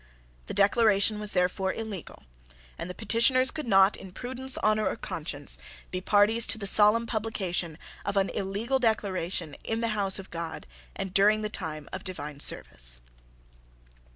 The Declaration was therefore illegal; and the petitioners could not, in prudence, honour, or conscience, be parties to the solemn publication of an illegal Declaration in the house of God, and during the time of divine service.